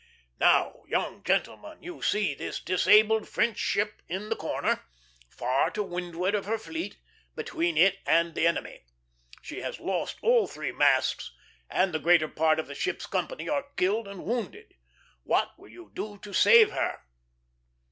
"Now, young gentlemen, you see this disabled French ship in the corner, far to windward of her fleet, between it and the enemy. She has lost all three masts, and the greater part of the ship's company are killed and wounded; what will you do to save her?"